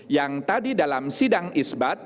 yang tadi dalam sidang isbat